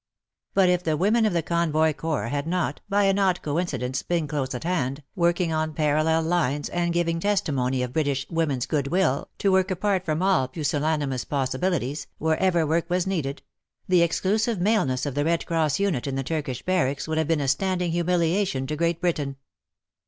But if the women of the Convoy Corps had not, by an odd co incidence, been close at hand, working on parallel lines and giving testimony of British women s goodwill to work apart from all pusillanimous possibilities, wherever work was needed, — the exclusive maleness of the Red Cross unit in the Turkish Barracks would have been a standing humiliation to Great Britain.